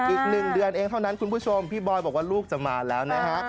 อีก๑เดือนเองเท่านั้นคุณผู้ชมพี่บอยบอกว่าลูกจะมาแล้วนะฮะ